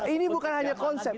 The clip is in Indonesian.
ini bukan hanya konsep